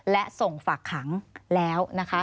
และส่งฝากขังแล้วนะคะ